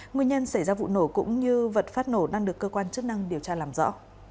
nguyên nhân xảy ra vụ nổ cũng như vật phát nổ đang được cơ quan chức năng điều tra làm rõ